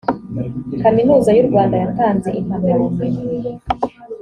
kaminuza y u rwanda yatanze impamyabumenyi .